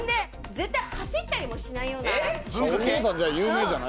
絶対走ったりもしないような。